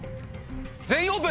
「全員オープン」